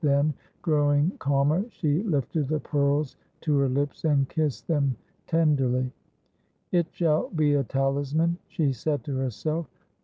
Then, growing calmer, she lifted the pearls to her lips, and kissed them tenderly. 'It shall be a talisman,' she said to herself.